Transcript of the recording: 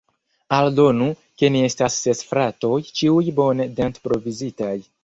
Aldonu, ke ni estas ses fratoj, ĉiuj bone dent-provizitaj.